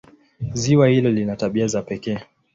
Ziwa hilo lina tabia za pekee.